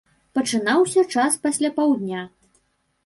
Пачынаўся час пасля паўдня.